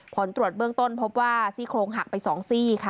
ผลตรวจเบื้องต้นพบว่าซี่โครงหักไป๒ซี่ค่ะ